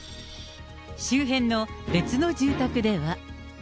周辺の別の住宅では。